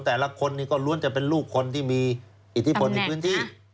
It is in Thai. แต่ละคนนี้ก็ล้วนจะเป็นลูกคนที่มีอิทธิพลในพื้นที่